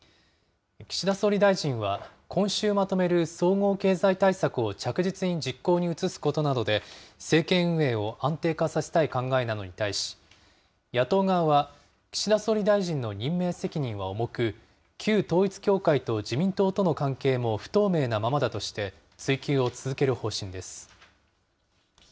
岸田総理大臣は、今週まとめる総合経済対策を着実に実行に移すことなどで、政権運営を安定化させたい考えなのに対し、野党側は岸田総理大臣の任命責任は重く、旧統一教会と自民党との関係も不透明なままだとして、追及を続ける方針です。